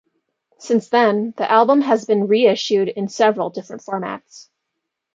Since then, the album has been re-issued in several different formats.